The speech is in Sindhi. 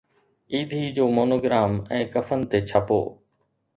ايڌي جو مونوگرام ۽ ڪفن تي ڇاپو